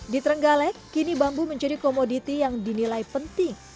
di trenggalek kini bambu menjadi komoditi yang dinilai penting